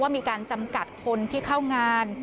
มีการจำกัดคนที่เข้างาน